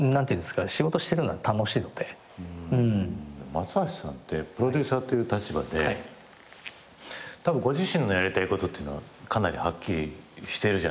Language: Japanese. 松橋さんってプロデューサーっていう立場でたぶんご自身のやりたいことっていうのはかなりはっきりしてるじゃないですか。